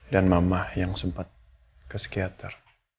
dan mama yang sempat kesekiater